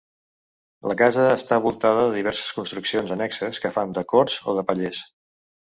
La casa està voltada de diverses construccions annexes que fan de corts o de pallers.